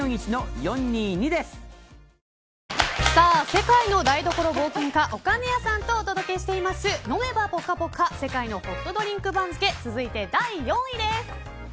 世界の台所探検家岡根谷さんとお届けしています飲めばポカポカ世界のホットドリンク番付続いて、第４位です。